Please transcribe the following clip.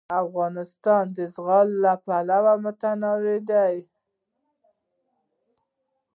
افغانستان د زغال له پلوه متنوع دی.